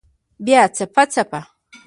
بیا څپه، څپه